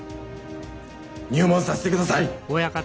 入門させてください。